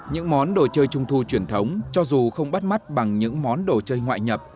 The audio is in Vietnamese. những món đồ chơi trung thu truyền thống cho dù không bắt mắt bằng những món đồ chơi nhẹ